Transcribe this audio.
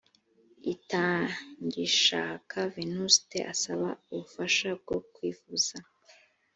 itangishaka venuste asaba ubufasha bwo kwivuza